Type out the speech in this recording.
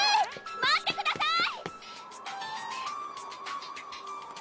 待ってください！